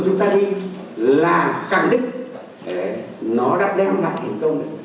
chúng ta đi là khẳng định nó đã đem lại thành công